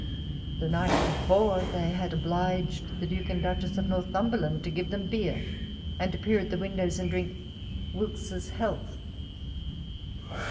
The night before, they had obliged the Duke and Duchess of Northumberland to give them beer, and ap pear at the windows, and di ink " Wilkes's health."